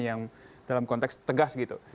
yang dalam konteks tegas gitu